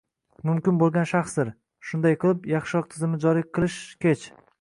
mumkin bo‘lgan narsadir. Shunday qilib, yaxshiroq tizimni joriy qilish hech